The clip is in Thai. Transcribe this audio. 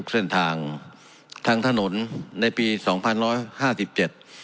เส้นทางทางถนนในปีสองพันร้อยห้าสิบเจ็ด